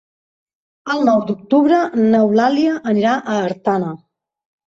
El nou d'octubre n'Eulàlia anirà a Artana.